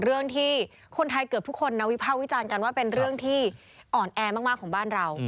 เรื่องที่คนไทยเกือบทุกคนนะวิภาควิจารณ์กันว่าเป็นเรื่องที่อ่อนแอมากของบ้านเรา